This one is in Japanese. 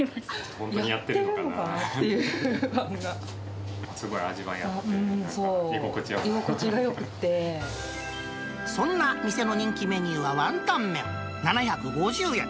本当にやってるのかなっていすごい味わいがあって、そんな店の人気メニューは、ワンタンメン７５０円。